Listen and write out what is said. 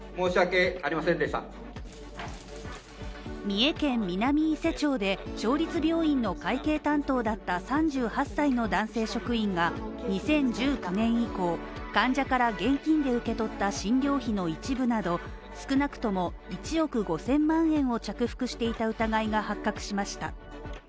三重県南伊勢町で、町立病院の会計担当だった３８歳の男性職員が２０１９年以降、患者から現金で受け取った診療費の一部など少なくとも１億５０００万円を着服していた疑いが発覚しました。